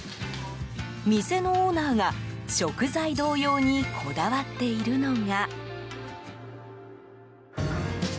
店のオーナーが、食材同様にこだわっているのが。